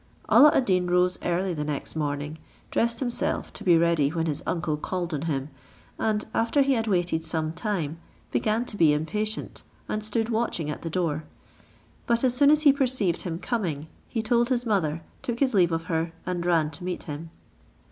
Alla ad Deen rose early the next morning, dressed himself, to be ready when his uncle called on him; and after he had waited some time, began to be impatient, and stood watching at the door; but as soon as he perceived him coming, he told his mother, took his leave of her, and ran to meet him.